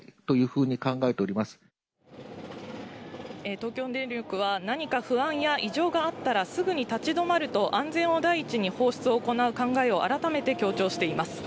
東京電力は何か不安や異常があったらすぐに立ち止まると安全を第一に放出を行う考えを改めて強調しています。